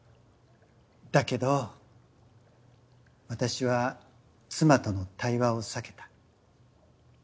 だけど私は妻との対話を避けた。